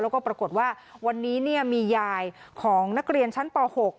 แล้วก็ปรากฏว่าวันนี้มียายของนักเรียนชั้นป๖